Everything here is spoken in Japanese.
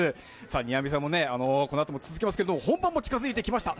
庭見世もこのあとも続きますので、本番も近づいてきました。